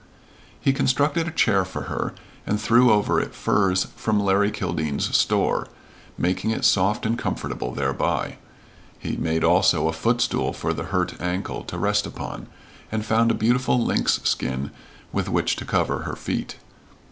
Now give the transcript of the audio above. He constructed a chair for her and threw over it furs from Larry Kildene's store, making it soft and comfortable thereby. He made also a footstool for the hurt ankle to rest upon, and found a beautiful lynx skin with which to cover her feet.